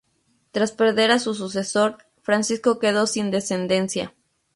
Tras perder a su sucesor, Francisco quedó sin descendencia.